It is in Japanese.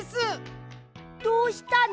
どうしたの？